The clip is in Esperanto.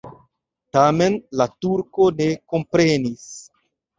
Tamen la turko ne komprenis.